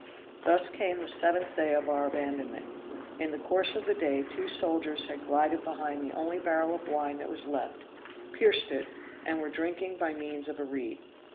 Thus came the seventh day of our abandonment. In the course of the day two soldiers had glided behind the only barrel of wine that was left; pierced it, and were drinking by means of a reed.